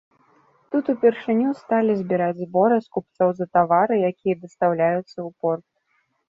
Тут упершыню сталі збіраць зборы з купцоў за тавары, якія дастаўляюцца ў порт.